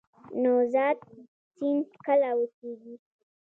نوزاد سیند کله وچیږي؟